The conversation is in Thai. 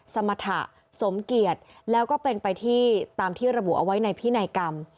สมรรถะสมเกียจแล้วก็เป็นไปที่ตามที่ระบุเอาไว้ในพินัยกรรม